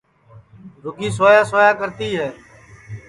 رُگی سویا سویا کرتی ہے